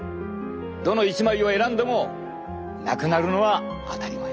どの１枚を選んでもなくなるのは当たり前。